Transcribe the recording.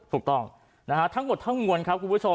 ถูกต้องนะฮะทั้งหมดทั้งมวลครับคุณผู้ชม